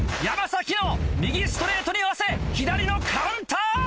山の右ストレートに合わせ左のカウンター！